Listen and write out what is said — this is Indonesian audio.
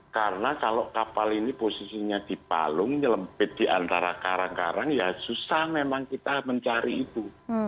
karena kalau kapal ini posisinya di palung nyelempit di antara karang karang ya susah memang kita mencari itu